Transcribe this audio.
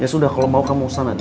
ya sudah kalau mau kamu ke sana